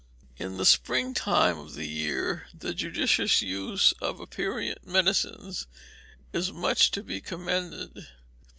In the spring time of the year, the judicious use of aperient medicines is much to be commended.